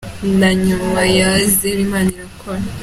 Na nyuma ya zero Imana irakora.”